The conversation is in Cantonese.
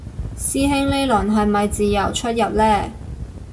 師兄呢輪係咪自由出入嘞